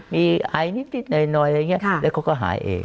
มีไอนิดหน่อยอะไรอย่างนี้แล้วเขาก็หายเอง